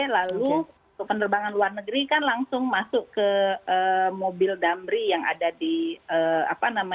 lalu ke penerbangan luar negeri kan langsung masuk ke mobil damri yang ada